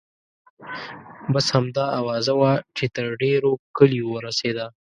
بس همدا اوازه وه چې تر ډېرو کلیو ورسیده.